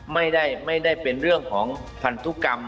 ไม่ได้เป็นเรื่องของพันธุกรรม